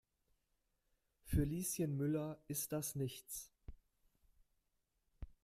Für Lieschen Müller ist das nichts.